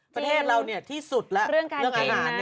ประเทศเราที่สุดแล้วเรื่องอาหาร